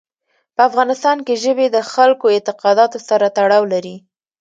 په افغانستان کې ژبې د خلکو اعتقاداتو سره تړاو لري.